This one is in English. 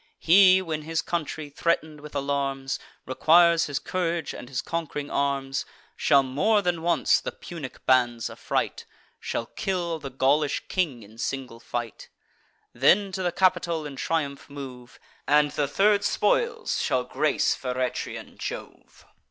He, when his country, threaten'd with alarms, Requires his courage and his conqu'ring arms, Shall more than once the Punic bands affright; Shall kill the Gaulish king in single fight; Then to the Capitol in triumph move, And the third spoils shall grace Feretrian Jove."